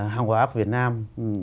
hàng hóa việt nam